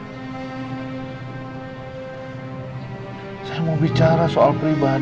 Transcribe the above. tidak ada yang bisa diberikan